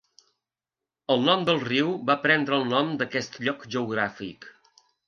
El nom del riu va prendre el nom d'aquest lloc geogràfic.